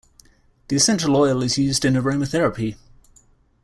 The essential oil is used in aromatherapy.